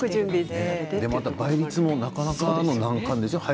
倍率も、なかなかの難関でしょう？